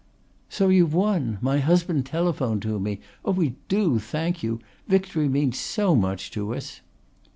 "So you've won. My husband telephoned to me. We do thank you! Victory means so much to us."